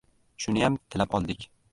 Shuniyam tilab oldik!